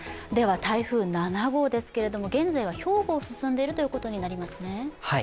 台風７号ですけれども現在は兵庫を進んでいるということになりますね？